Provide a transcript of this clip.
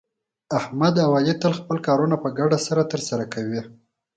احمد او علي تل خپل کارونه په ګډه سره ترسه کوي.